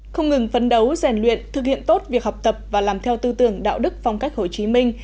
không ngừng phấn đấu rèn luyện thực hiện tốt việc học tập và làm theo tư tưởng đạo đức phong cách hồ chí minh